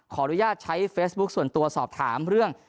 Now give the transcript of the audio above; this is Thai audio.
ขออนุญาตใช้เฟซบุ๊คส่วนตัวสอบถามเรื่อง